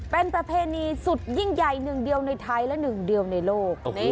เป็นประเพณีสุดยิ่งใหญ่หนึ่งเดียวในไทยและหนึ่งเดียวในโลก